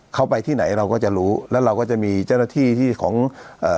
เข้าไปที่ไหนเราก็จะรู้แล้วเราก็จะมีเจ้าหน้าที่ที่ของเอ่อ